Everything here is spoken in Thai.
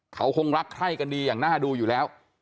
เขาคงรักใคร่กันดีอย่างน่าดูอยู่แล้ว